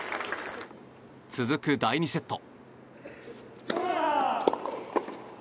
続く第２セット。